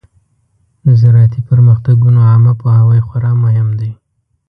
د زراعتي پرمختګونو عامه پوهاوی خورا مهم دی.